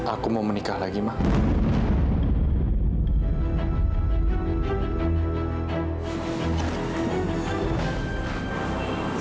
aku mau menikah lagi mak